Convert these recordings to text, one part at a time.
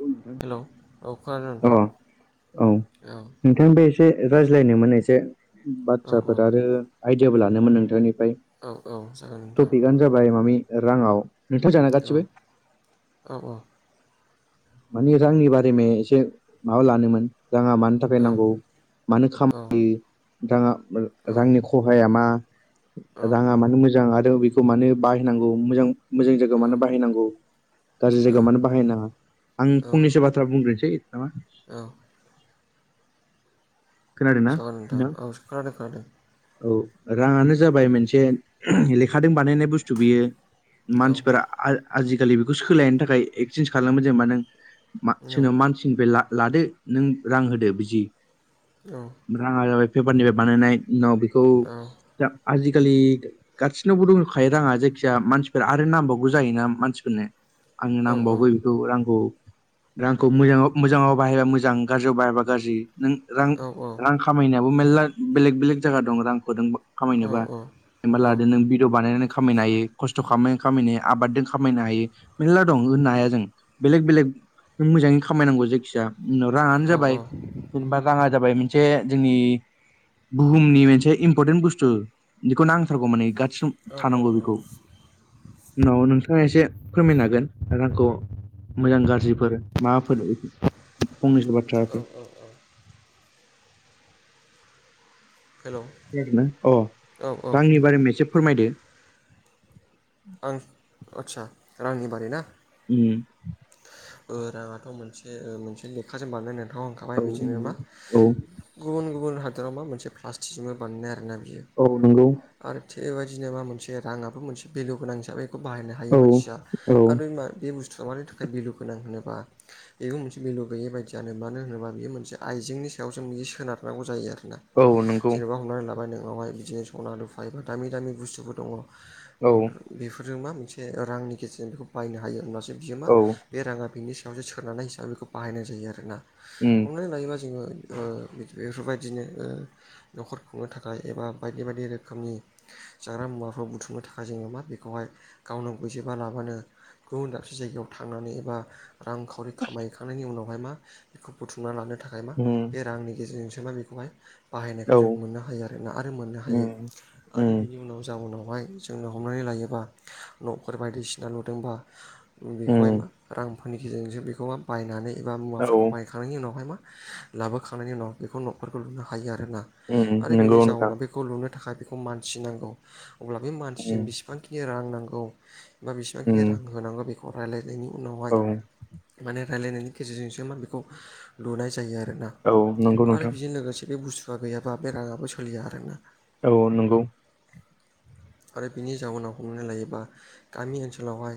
औ नोंथां हेल' औ खोनादों अ औ नोंथां औ नोंथां बे एसे रायज्लायनोमोन एसे औ बाथ्राफोर आरो आइदियाबो लानोमोन नोंथांनिफ्राय औ औ जागोन नोंथां टपिकानो जाबाय मामि राङाव नोंथां जोंहाना औ गासिबो [unintelligible] औ औ मानिे रांनि बारै मे एसे माबा लानोमोन राङा मानि थाखाय औ नांगौ मानो औ खामाङो औ रांनि खहाया मा औ औ राङा मानो मोजां आरो बेखौ मानो बाहायनांगौ मोजां मोजां जायगायाव मानो बाहायनांगौ गाज्रि जायगायाव मानो बाहायनाङा आं फंनैसो बाथ्रा बुंग्रोसै नामा औ खोनादों ना जागोन नोंथां औ खोनादों खोनादों औ औ राङानो जाबाय मोनसे लेखादों बानायनाय बुस्थु बेयो औ औ मानसिफोरा आजिखालि बेखौ सोलायनो थाखाय एक्सेन्स खालामो जेनेबा नों सोरनाव मानसिनिफ्राय लादो नों रां होदो बिदि औ औ राङा जाबाय पेपारनिफ्राय बानायनाय उनाव बेखौ दा आजिखालि गासिनावबो दंखायो राङा जायखिजाया मानसिफोर आरो नांबावगौ जायोना मानसिफोरनो आंनो नांबायगौ रांखौ रांखौ मोजां मोजाङाव बाहायबा मोजां गाज्रियाव बाहायबा गाज्रि नों रां रां खामायनायाबो मेरला बेलेग बेलेग जायगा दं रांखौ खामायनोबा जेनबा लादो नों भिडिअ बानायनानै खामायनो हायो खस्थ' खालाम खामायनो हायो आबादजों खामायनो हायो मेरला दं होननो हाया जों बेलेग बेलेग मोजाङै खामायनांगौ जायखिजाया जोंना राङानो जाबाय जेनेबा राङा जाबाय मोनसे जोंनि बुहुमनि मोनसे इम्परटेन्ट बुस्थु बेखौ नांथारगौ माने गासि थानांगौ बेखौ उनाव नोंथाङा एसे फोरमायनो हागोन रांखौ मोजां गाज्रिफोर माबाफोर फंनैसो बाथ्राफोर औ औ हेलौ आरोना अ औ औ आंनि बारैनो एसे फोरमायदो आं आदसा आंनि बारै ना उम राङाथ' मोनसे मोनसे लेखाजों बानायनो नोंथाङा औ होनखाबाय बिदिनो मा नंगौ औ गुबुन गुबुन हादोराव मा मोनसे प्लास्टिक जोंबो बानायनाय आरो ना बियो औ नंगौ आरो थिगबायदिनो मा मोनसे राङाबो मोनसे भेलु गोनां हिसाबै बेखौ बायनो हा यो औ मानसिया औ आरो बे बुस्थुफ मानि थाखाय भेलु गोनां होनोबा मगं मोनसे बेलु गैयै बायदियानो मानो होनोबा बियो मोनसे आइजेंनि सायाव जों बियो सोनारनांगौ जायो आरोना औ नंगौ जेनेबा हमनानै लाबाय नोंनावहाय बिदिनो सना लुफाय एबा दामि दामि बुस्थुफोर दङ। औ बेफोरजों मा मोनसे रांनि गेजेरजों बेखौ बायनो हायो होनबसो बियो मा? औ बे राङा बिनि सायावसो सोननानै हिसाबै बेखौ बाहायनाय जायो आरोना उम हमनानै लायोबा जोङो। बेफोर बायदिनो न'खर खुंनो थाखाय एबा बायदि बायदि रोखोमनि जाग्रा मुवाफोराव बुथुमनो थाखाय जोङो मा बेखौहाय गावनो गैजोबा लाबानो गुबुन दाबसे जायगायाव थांनानै एबा। रांखावरि खामायैखांनायनि उनावहाय मा बेखौ बुथुमना लानो थाखाय मा उम बे रांनि गेजेरजोंसो मा बेखौहाय। बाहायनायखौ औ जों मोननो हायो आरोोना आरो मोननो हायो उम आरो उम बिनि उनाव जाउनावहाय जों जोंनो हमनानै लायोबा न'फोर बायदिसिना नुदोंबा बेखौहाय उम मा। रांफोरनि गेजेरजोंसो बेखौ बायनानै एबा औ मुवाफोरखौ बाय खांनायनि उनावहाय मा लाबोखांनायनि उनाव बेखौ न'खफोरखौ लुनो हायो आरोना उम आरो बेनि नंगौ नोंथां जाउोनाव बेखौ लुनो थाखाय बेखौ मानसि नांगौ अब्ला बे मानसिजों उम बेसेबांखि बेनि रां नांगौ बा बिसिबांखि उम रां होनांगौ बेखौ रायलायनायनि उनावहाय औ माने रायलायनायनि गेजेरजोंसो मा बेखौ लुनाय जायो आरोना। औ नंगौ आरो नोंथां बेजों लोगोसे बे बुस्थुआ गैयाबा बे राङाबो सोलिया आरोना औ नंगौ। आरो बिनि जाउनाव हमनानै लायोबा गामि ओनसोलावहाय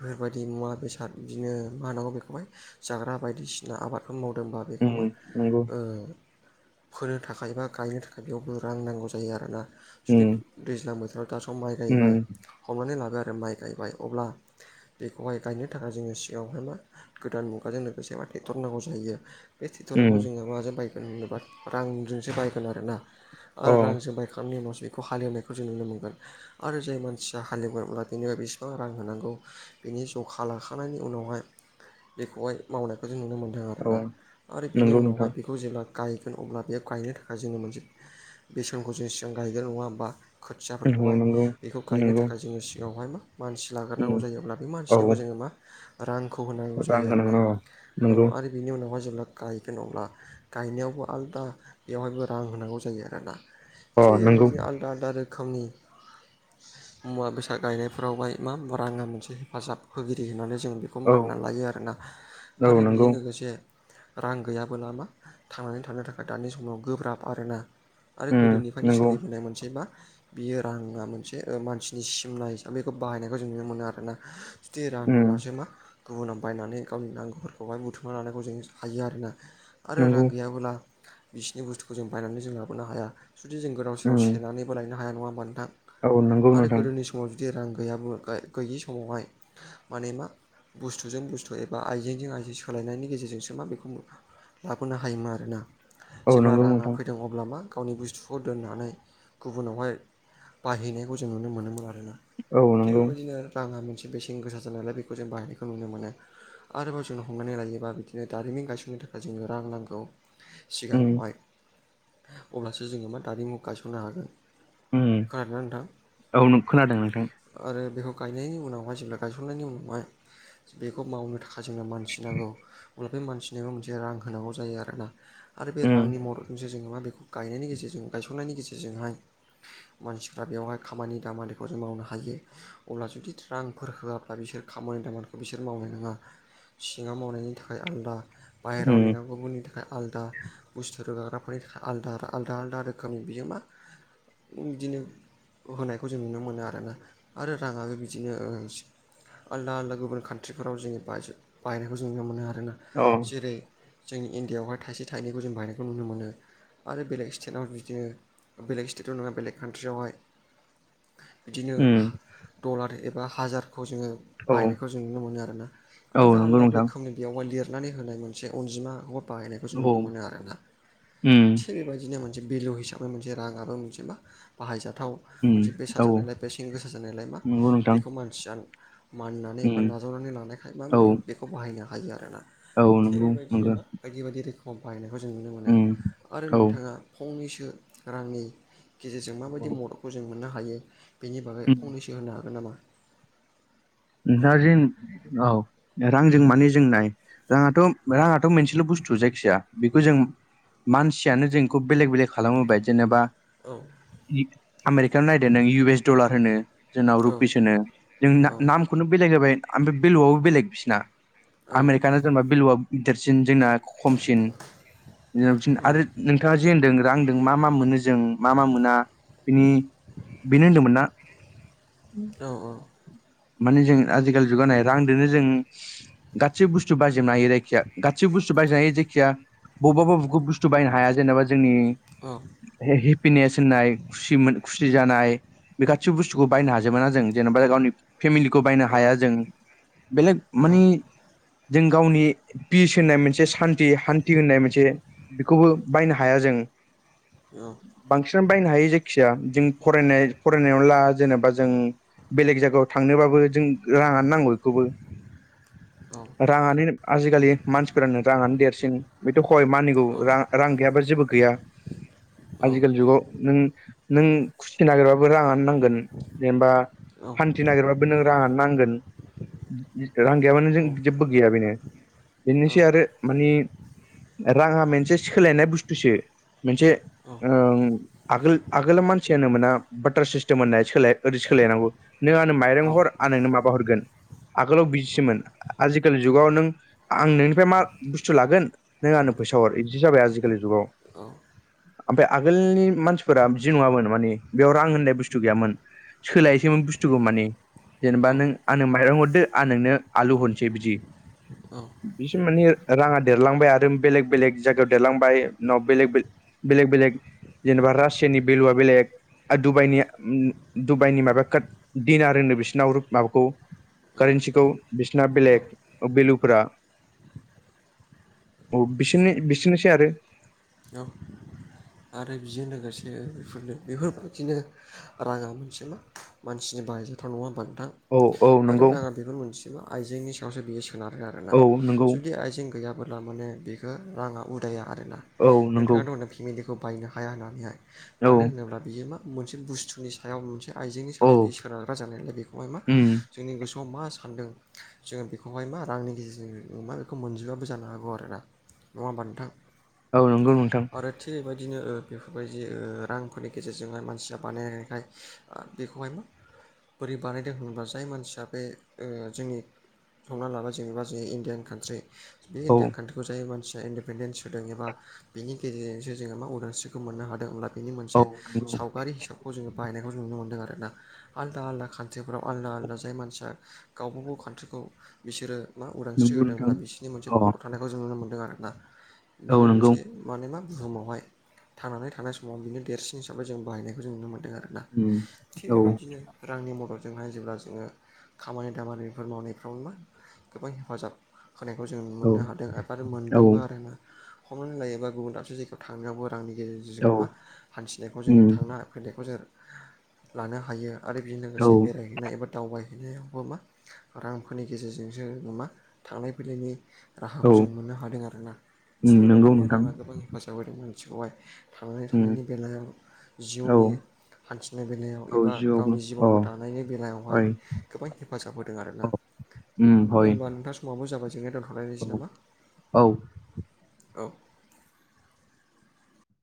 बेफोरबायदि मुवा बेसाद बिदिनो मा होनांगौ बेखौहाय जाग्रा बायदिसिना आबादखौ मावदोंबा। बेखौ उम मा नंगौ ओ फोनो थाखाय बा गायनो थाखाय बेयावबो रां नांगौ जायो आरोना जुदि उम दैज्लां बोथोराव दा सम माइ गायबाय उम हमनानै लाबाय आरो माइ गायबाय अब्ला बेखौहाय गायनो थाखाय जोङो सिगावहाय मा गोदान मुगाजों लोगोसे मा टेक्टर नांगौ जायो बे ट्रेक्ट'राखौ उम जोङो माजों बायगोन होनोबा रांजोंसो बायगोन आरोना। आ अ रांजों बायखांनायनि उनावसो बेखौ हालेवनायखौ जों नुनो मोनगोन आरो जाय मानसिया हालेवाब्ला बेनो बेसेबां रां होनांगौ बेनि ज खा लाखांनायनि उनावहाय बेखौहाय मावनायखौ जों नुनो मोन नो औ आरोना आरो बिनि नंगौ उनावहाय नोंथां बेखौ जेब्ला गायगोन अब्ला बे गायनो थाखाय जोङो मोनसे। बेसेनखौ जेसेबां गायगोन नङा होमबा खोथिया औ खौहाय नंगौ बेखौ गायनो नंगौ थाखाय जोङो सिगाङावहाय मा मानसि लाग्रोनांगौ उम जायोब्ला बे औ मानसिनोबो जोङो मा। रांखौ होनांगौ रां जायो आरोना होनांगोन औ औ नंगौ आरो बिनि उनावहाय जेब्ला गायगोन अब्ला गायनायावबो आलादा बेवहायबो रां होनांगौ जायो आरोना। अ थिग नंगौ बेबायदिनो आलदा आलदा रोखोमनि मुवा बेसाद गायनायफोरावहाय मा मा राङा मोनसे हेफाजाब होगिरि होननानै जों बे खौ औ मानिनानै लायो आरोना औ आरो नंगौ बेजों लोगोसे रां गैयाबो लामा थांनानै थानो थाखाय दानि समाव गोब्राब आरोना। आरो उम गोदोनिफायनो नंगौ सोलिबोनाय मोनसे मा बियो राङा मोनसे ओ मानसिनि सिमना हिसाबै बेखौ बाहायनायखौ जों नुनो मोनो आरोना। जे रां उम दंबासो मा गुबुनाव बायनानै गावनि नांगौफोरखौहाय बुथुमना लानायखौ जों हायो आरोना। आरो रां नंगौ गैयाबोला बिसिनि बुस्थुखौ जों बायनानै जों लाबोनो हाया जुदि जों गोदाव सोराव उम सेनानैबो लायनो हाया नङा होमा नोंथां औ नंगौ आरो नोंथां गोदोनि स माव जुदि रां गैयाबो ग-गैयि समावहाय माने मा बुस्थुजों बुस्थु एबा आइजेंजों आइजें सोलायनायनि गेजेरजोंसो मा बेखौ मो लाबोनो हायोमोन आरोना औ जेब्ला नंगौ राङा नोंथां फैदों अब्ला मा गावनि बुस्थुखौ दोननानै गुबुनावहाय बाहैनायखौ जों नुनो मोनोमोन आरोना औ थिग नंगौ बेबायदिनो राङा मोनसे बेसेन गोसा जानायालाय बेखौ जों बाहायनायखौ नुनो मोनो। आरोबाव जोंनो हमनानै लायोबा बिदिनो दारिमिन गायसननो थाखाय जोंनो रां नांगौ। उम सिगाङावहाय अब्लासो जोङो मा दारिमु गायसननो हागोन। उम खोनादों ना नोंथां? औ नों खोनादों नोंथां आरो बेखौ गायनायनि उनावहाय जेब्ला गायसननायनि उनावहाय बेखौ मावनो थाखाय जोंनो मानसि नांगौ। अब्ला बे मानसिनायबो मोनसे रां होनांगौ जायो आरोना। आरो बे उम रांनि मददजोंसो जोङो मा बेखौ गायनायनि गेजेरजों गायसननायनि गेजेरजोंहाय मानसिफ्रा बेवहाय खामानि दामानिखौ जों मावनो हायो। अब्ला जुदि थ्रांफोर होआब्ला बिसोर खामानि दामानिखौ बिसोर मावनाय नोङा। सिङाव मावनायनि थाखाय आलदा बाहेरायाव उम नेनांगौ बुनि था दा आलादा बुस्थु रोगाग्राफोरनि थाखाय आदा आलदा आलदा रोखोमनि बियो मा उम बिदिनो होनायखौ जों नुनो मोनो आरोना आरो राङाबो बिदिनो ओ आलदा आलदा गुबुन कान्ट्रिफोराव जेनेबा बायज- बायनायखौ जों नुनो मोनो आरोना औ जेरै जोंनि इण्डियाआवहाय थाइसे थाइनैखौ जों बाहायनायखौ नुनो मोनो। आरो बेलेग स्टेटआव बिदिनो बेलेग स्टेटाव नङा बेलेक कान्ट्रियावहाय बिदिनो उम डलार एबा हाजार खौ जोङो औ बाहायनायखौ जों नुनो मोनो आरोना औ आलदा नंगौ आलादा नोंथां रोखोमनि बेयावहाय लिरनानै होनाय मोनसे अनजिमा हद बाहायनायखौ जों औ नुनो मोनो आरोना उम थिग बेबायदिनो मोनसे भेलु हिसाबै मोनसे राङाबो मोनसे मा बाहायजाथाव उम मोनसे बेसाद औ जानायलाय बेसें गोसा जानायलाय मा नंगौ नोंथां बेखौ मानसियानो मानिनानै एबा उम नाजावनानै लानायखाय मा औ बियो बेखौ बाहायनो हायो आरोना। औ थिग नंगौ बायदिनो नंगौ मा बायदि बायदि रोखो मबायनायखौ जों नुनो मोनो उम आरो औ नोंथाङा फंनैसो रांनि गेजेरजों माबायदि मददखौ जों मोननो हायो बेनि बागै उम फंनैसो होन्नो हागोन नामा? नोंथाङा जेन औ रांजों माने जों नाय राङाथ' राङाथ' मोनसेल' बुस्थु जायखि जाया बेखौ जों मानसियानो जों खौ बेलेक बेलेक खालाम होबाय जेनेबा औ आमेरिकानो नायदो नों इउ एस डलार होनो जोंनाव औ रुपिस होनो जों औ खौनो बेलेग होबाय ओमफ्राय भेलुवआबो बेलेग बिसिरना औ आमेरिकानो जेनबा भेलुवआ देरसिन जोंना खमसिन [unintelligible] औ आरो नोंथाङा जे होनदों रांदो मा मा मोनो जों मा मा मोना बिनि बेनो होनदोंमोन ना? औ औ। माने जों आजिखालि जुगाव नाय रांदोनो जों गासै बुस्थु बायोबनो हायो जायखिया गासै बुस्थु बायोबनो हायो जायखिया बबेबा बबेखौबा बुस्थु बायनो हाया जेन'बा जोंनि हे-हेपिनेस होननाय खुसि मोन खुसि जानाय बे गासिबो बुस्थुखौ बायनो हाजोबाना जों जेनेबा गावनि फेमिलिखौ बायनो हाया जों बेलेक मानि जों गावनि पिस होननाय मोनसे सान्थि हान्थि होननाय मोनसे बेखौबो बायनो हाया जों। औ बांसिनानो बायनो हायो जायखिया जों फरायनाय फरायनायाव ला जेनेबा जों बेलेग जायगायाव थांनोबाबो जों राङानो नांगौ बेखौबो राङानो आजिखालि मानसिफोरानो राङानो देरसिन बेथ' हहाय मानिगौ औ रां गैयाबा जेबो गैया। औ आजिखालि जुगाव नों नों खुसि नागिरबाबो राङानो नांगोन जेनेबा औ खुसि नागिरबाबो नों राङानो नांगोन रां गैयाबानो जों जेबो गैया बेनो। बेनोसै आरो मानि राङा मोनसे सोलायनाय बुस्थुसो मोनसे आगोल आगोलाव मानसियानो मोना बाटार सिस्टेम होननाय सोलाय ओरै सोलायनांगौ नों आंनो माइरं हर आं नोंनो माबा हरगोन आगोलाव बिसोमोन आजिखालि जुगाव नों आं नोंनिफ्राय मा बुस्थु लागोन नों आंनो फैसा हर बिदि जाबाय आजिखालि जुगाव ओमफ्राय आगोलनि मानसिफोरा जि नङामोन माने बेयाव रां होननाय बुस्थु गैयामोन सोलायसोमोन बुस्थुग मानि जेनेबा नों आं न माइरं हरदो आ नोंनो आलु हरसै बिदि बिसोर माने राङा देरलांबाय आरो बेलेग बेलेग जायगायाव देरलांबाय उनाव बेलेग बेले बेलेक बेलेग जेनेबा रासियानि बेलुआ बेलेग आरो डुबाइनि माबा दिनार होनो बिसोरनाव माबाखौ औ कारेन्सिखौ बिसिना बेलेग बेलुफोरा औ बिसोरनो बिसोरनोसै आरो औ आरो बेजों लोगोसे बेफोरनो बेफोरबायदिनो रा मोनसेल मानसिनि बायजाथाव नङा बा दा औ औ आरो नंगौ राङा बेफोर मोनसे मा आयजेंनि सायावसो बियो सोनारो आरोोना औ नंगौ जुदि आइजें गैयाबो्ला माने बेखौ राङा उदाया आरोना औ नंगौ नोंथाङा [unintelligible] फेमिलिखौ बायनो हाया होननानैहाय मानो औ होनोब्ला बियो मा मोनसे बुस्थुनि सायाव मोनसे आइजेंनि सायावसो बि औ सोनारग्रा जानायलाय बेखौहाय मा उम जोंनि गोस स' मा सानदों जोङो बेखौहाय मा रांनि गेजेरजों मा बेखौ मोनजोबाबो जानो हागौ आरो ना नङा होनबा नोंथां औ नंगौ नोंथां आरो थिग बेबायदिनो बेफोरबायदि रांफोरनि गेजेरजोंहाय मानसिया बानायनायखाय बेखौहाय बोरै बानायदों होनबा जाय मानसिया बे जोंनि सनना लाबाय जेनेबा जोंनि इ्डियान कान्ट्रि बे औ इण्डियान कान्ट्रिखौ जाय मानसिया इन्डिपेन्डेन्स होदों एबा बेनि गेजेरजोंसो जोङो मा उदांस्रिखौ मोननो हादों होनब्ला बेनि औ मोनसे नंगौ सावगारि हिसाब जोङो बाहायनायखौ नुनो मोनदों आरो ना आलदा आलदा कान्ट्रिफ्राव आलदा आलदा जाय मानसिया गावबा गाव कान्ट्रिखौ बिसोरो मा उदांस्रि नंगौ नोंथां होदोंब्ला बिसोरनि मोनसे अ फट' थानायखौ जों नुनो मोनदों आरोना औ बिनो नंगौ मोनसे माने मा बुहुमावहाय थांनानै थानाय समाव बिनो देरसिन हिसाबै जों बाहायनायखौ जों नुनो मोनदों आरो ना उम थिग औ बेबायदिनो रांनि मददजोंहाय जेब्ला जोङो खामानि दामानिफोर मावनायफ्राव मा गोबां हेफाजाब होनायखौ जों औ मोननो हादों एबा औ मोनदोंबो आरोना [unintelligible] लायोबा गुबुन दाबसे जायगायाव थांनायावबो रांनि गेजेरजों औ जोङो मा हान्थिनायखौ उम जोङो थांना फैनायखौ जों लानो हायो आरो बेजों औ लोगोसे बेरायहैनाय एबा दावबायहैनायावबो मा रांफोरनि गेजेरजोंसो जोङो मा थांलाय फैलायनि राहाखौ औ जों मोननो हादों आरोना उम थिग नंगौ बेबायदिनो नोंथां राङा गोबां हेफाजाब होदों मानसिखौहाय थांनानै उम थानायनि बेलायाव औ जिउनि हान्थिनाय बेलायाव औ एबा जिउआवबो गावनि अ जिबनखौ दानायनि बेलायावहाय हय गोबां हेफाजाब होदों अ आरोना उम हय होमबा नोंथां समावो जाबाय जेंनाय दोनथ'लायनोसै औ नामा औ औ